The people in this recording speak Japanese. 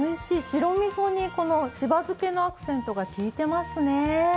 白みそにこのしば漬けのアクセントが利いてますね。